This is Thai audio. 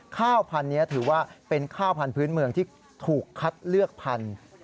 ข้าวพันธุ์นี้ถือว่าเป็นข้าวพันธุ์เมืองที่ถูกคัดเลือกพันธุ์